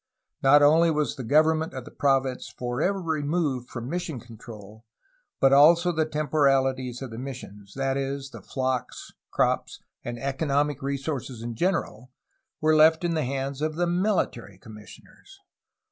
Not only was the government of the province forever removed from mission control, but also the tem poraUties of the missions, — ^that is, the flocks, crops, and economic resources in general, — were left in the hands of the mihtary commissioners.